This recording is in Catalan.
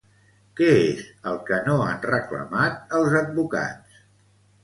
Què és el que no han reclamat els advocats?